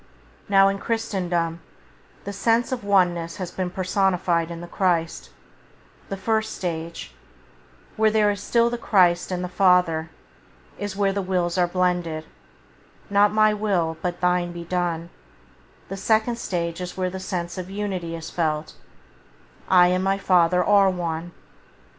Now in Christendom the sense of one ness has been personified in the Christ, the first stage — where there is still the Christ and the Father — is where the wills are blended, "not my will but thine be done"; the second stage is where the sense of unity is felt: "I and my Father are one".